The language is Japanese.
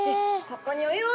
ここにおっ！